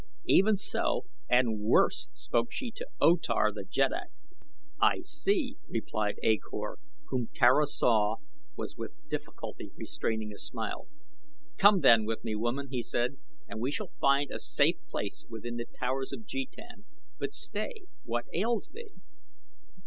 Even so and worse spoke she to O Tar the jeddak." "I see," replied A Kor, whom Tara saw was with difficulty restraining a smile. "Come, then, with me, woman," he said, "and we shall find a safe place within The Towers of Jetan but stay! what ails thee?"